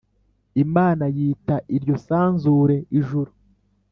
Imana yita iryo sanzure Ijuru